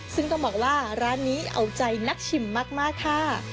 ซึ่งต้องบอกว่าร้านนี้เอาใจนักชิมมากค่ะ